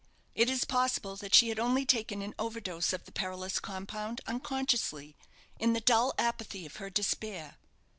It is possible that she had only taken an over dose of the perilous compound unconsciously, in the dull apathy of her despair.